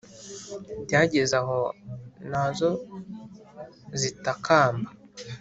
Byageze aho nazo zitakamba